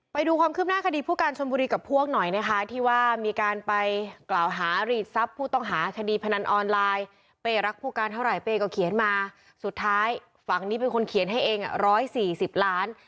ไปดูความคืบหน้าคดีผู้การชนบุรีกับพวกหน่อยนะคะที่ว่ามีการไปกล่าวหารีดทรัพย์ผู้ต้องหาคดีพนันออนไลน์เป้รักผู้การเท่าไหร่เป้ก็เขียนมาสุดท้ายฝั่งนี้เป็นคนเขียนให้เอง๑๔๐ล้าน